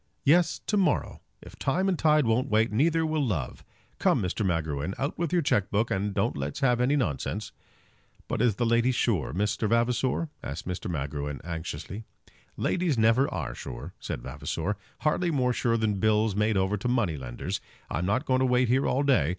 "Yes, to morrow. If time and tide won't wait, neither will love. Come, Mr. Magruin, out with your cheque book, and don't let's have any nonsense." "But is the lady sure, Mr. Vavasor?" asked Mr. Magruin, anxiously. "Ladies never are sure," said Vavasor; "hardly more sure than bills made over to money lenders. I'm not going to wait here all day.